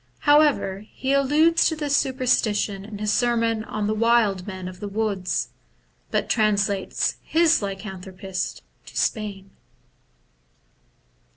However, he alludes to this superstition in his sermon on wild men of the woods, but translates his lycan thropists to Spain.